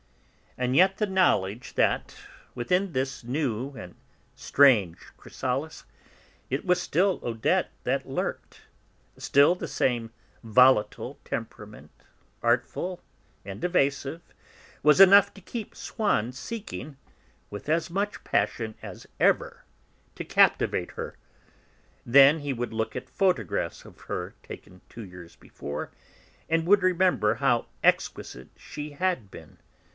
And yet the knowledge that, within this new and strange chrysalis, it was still Odette that lurked, still the same volatile temperament, artful and evasive, was enough to keep Swann seeking, with as much passion as ever, to captivate her. Then he would look at photographs of her, taken two years before, and would remember how exquisite she had been.